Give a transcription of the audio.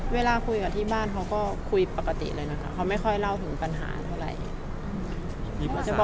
เขาไม่มีอะไรคุยกับที่บ้านไหมคะครั้งล่าสุด